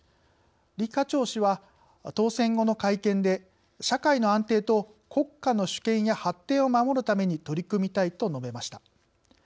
李家超氏は当選後の会見で「社会の安定と国家の主権や発展を守るために取り組みたい」と述べました。